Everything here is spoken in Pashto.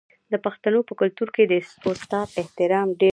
د پښتنو په کلتور کې د استاد احترام ډیر دی.